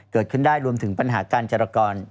เกิดขึ้นได้รวมถึงปัญหาการจรกร